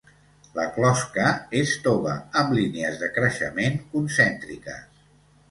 La closca és tova amb línies de creixement concèntriques.